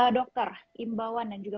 dokter imbawan dan juga